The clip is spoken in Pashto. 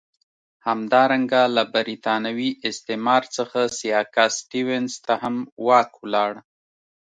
همدارنګه له برېتانوي استعمار څخه سیاکا سټیونز ته هم واک ولاړ.